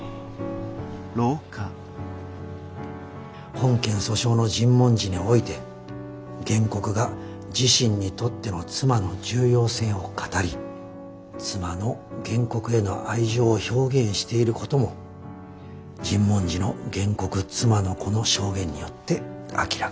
「本件訴訟の尋問時において原告が自身にとっての妻の重要性を語り妻の原告への愛情を表現していることも尋問時の原告妻の子の証言によって明らかである」。